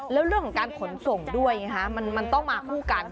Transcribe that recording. แล้วเรื่องของการขนส่งด้วยมันต้องมาคู่กัน